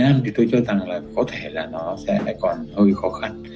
như ở việt nam thì tôi cho rằng là có thể là nó sẽ lại còn hơi khó khăn